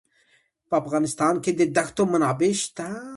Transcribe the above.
په افغانستان کې د دښتو منابع شته.